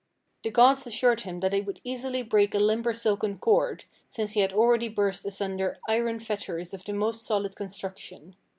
"The gods assured him that he would easily break a limber silken cord, since he had already burst asunder iron fetters of the most solid construction.